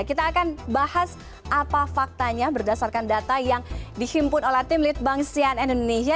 kita akan bahas apa faktanya berdasarkan data yang dihimpun oleh tim litbang sian indonesia